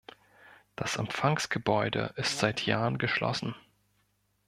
Das Empfangsgebäude ist seit Jahren geschlossen.